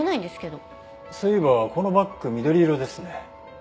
そういえばこのバッグ緑色ですね。